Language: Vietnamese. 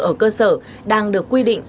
ở cơ sở đang được quy định